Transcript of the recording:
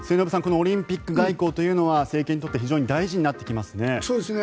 オリンピック外交というのは政権にとって非常に大事になってきますね。